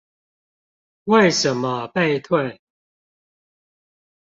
為什麼被退